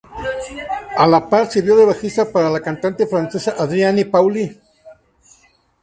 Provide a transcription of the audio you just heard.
A la par, sirvió de bajista para la cantante francesa Adrienne Pauly.